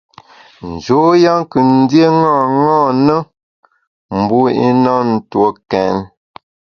Njoya kù ndié ṅaṅâ na, mbu i na ntue kèn.